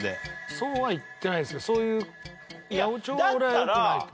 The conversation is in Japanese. そうは言ってないですけどそういう八百長は俺はよくないと。